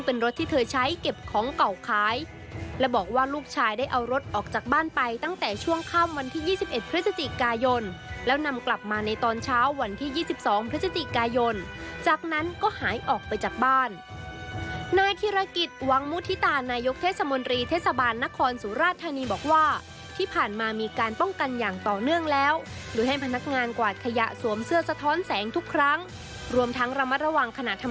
ผู้ชายได้เอารถออกจากบ้านไปตั้งแต่ช่วงค่ำวันที่๒๑พศกายนแล้วนำกลับมาในตอนเช้าวันที่๒๒พศจากนั้นก็หายออกไปจากบ้านนายธิรกิจวังมุฒิตานายกเทศมนตรีเทศบาลนครสุราธารณีบอกว่าที่ผ่านมามีการป้องกันอย่างต่อเนื่องแล้วโดยให้พนักงานกวาดขยะสวมเสื้อสะท้อนแสงทุกครั้งรวมทั้งระมั